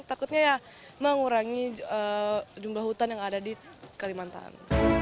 takutnya ya mengurangi jumlah hutan yang ada di kalimantan